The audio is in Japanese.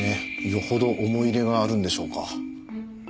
よほど思い入れがあるんでしょうか？